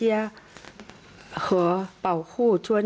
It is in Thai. พระราชภาพสำหรัฐอุนาห์